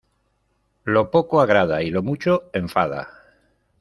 Lo poco agrada y lo mucho enfada.